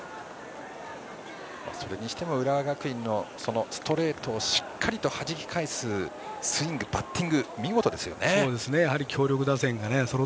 それにしても浦和学院のストレートをしっかりとはじき返すスイング、バッティング見事ですね。